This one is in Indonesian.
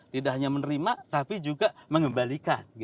tidak hanya menerima tapi juga mengembalikan